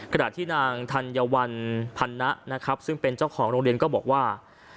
ขณะที่นางธัญวัลพันนะนะครับซึ่งเป็นเจ้าของโรงเรียนก็บอกว่า